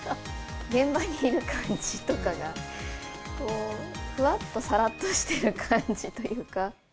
現場にいる感じとかが、ふわっとさらっとしてる感じというか。